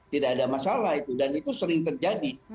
tidak ada masalah itu dan itu sering terjadi